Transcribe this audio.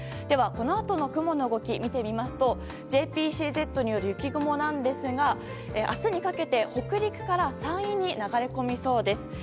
では、このあとの雲の動き見てみますとＪＰＣＺによる雪雲なんですが明日にかけて北陸から山陰に流れ込みそうです。